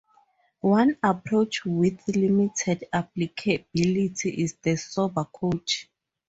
One approach with limited applicability is the Sober Coach.